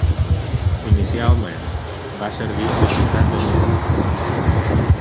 Inicialment va servir a la ciutat de Middletown.